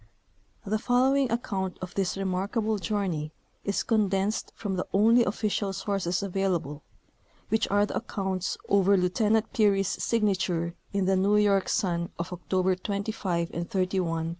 — The follow ing account of this remarkable journey is condensed from the only official sources available, which are the accounts over Lieutenant Peary's signature in the New York Sim of October 25 and 31, J892.